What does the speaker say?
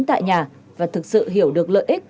tại nhà và thực sự hiểu được lợi ích